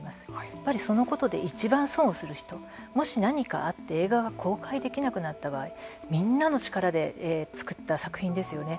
やっぱりそのことでいちばん損をする人もし何かあって映画が公開できなくなった場合みんなの力で作った作品ですよね。